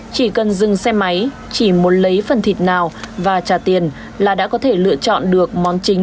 chỉ cần dừng xe máy chỉ muốn lấy phần thịt nào và trả tiền là đã có thể lựa chọn được món chính